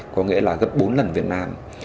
có nghĩa là gấp bốn lần việt nam